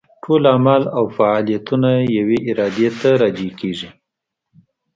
ټول اعمال او فاعلیتونه یوې ارادې ته راجع کېږي.